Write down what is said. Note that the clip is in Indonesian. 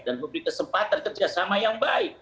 dan memberi kesempatan kerjasama yang baik